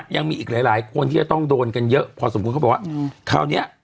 ยังมีอีกหลายหลายคนที่จะต้องโดนกันเยอะพอสมควรเขาบอกว่าคราวเนี้ย